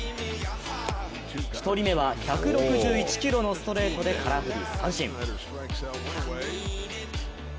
１人目は１６１キロのストレートで空振り三振。